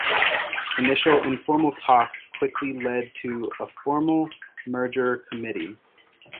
Initial informal talks quickly led to a formal merger committee.